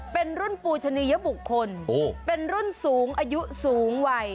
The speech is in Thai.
เป็นรุ่นปูชนียบุคคลเป็นรุ่นสูงอายุสูงวัย